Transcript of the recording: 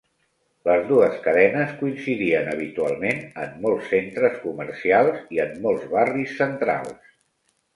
Les dues cadenes coincidien habitualment en molts centres comercials i en molts barris centrals.